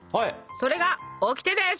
それがオキテです！